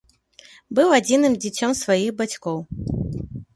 Быў адзіным дзіцём сваіх бацькоў.